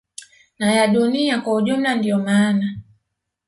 na ya dunia kwa ujumla Ndio mana